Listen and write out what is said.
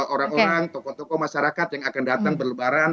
orang orang tokoh tokoh masyarakat yang akan datang berlebaran